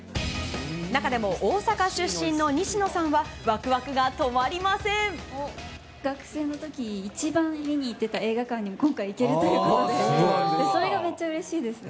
中でも大阪出身の西野さんは、学生のとき、一番見に行っていた映画館に今回、行けるということで、それがめっちゃうれしいです。